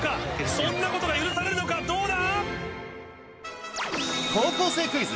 そんなことが許されるのかどうだ？